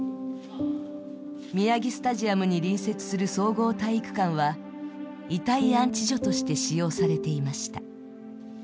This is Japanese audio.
宮城スタジアムに隣接する総合体育館は遺体安置所として使用されていました。